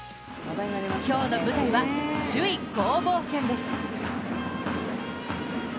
今日の舞台は、首位攻防戦です。